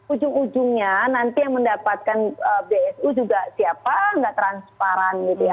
ujung ujungnya nanti yang mendapatkan bsu juga siapa tidak transparan